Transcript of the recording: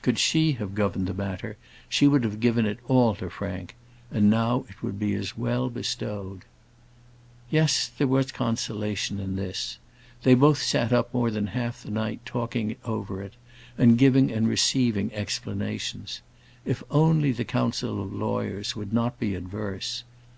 Could she have governed the matter, she would have given it all to Frank; and now it would be as well bestowed. Yes; there was consolation in this. They both sat up more than half the night talking over it, and giving and receiving explanations. If only the council of lawyers would not be adverse!